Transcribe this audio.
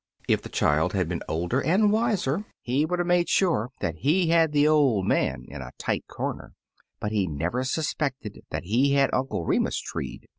" If the child had been older and wiser, he would have made sure that he had the old man in a tight comer, but he never even sus pected that he had Uncle Remus "treed."